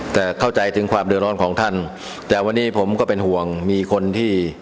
แต่เข้าใจถึงความเดือดร้อนของท่านแต่วันนี้ผมก็เป็นห่วงมีคนที่